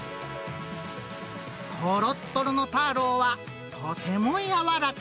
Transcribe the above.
とろっとろのターローはとても柔らか。